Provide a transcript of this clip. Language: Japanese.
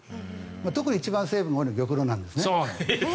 特に一番成分が多いのは玉露なんですね。